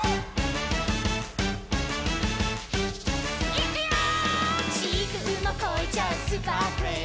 「いくよー！」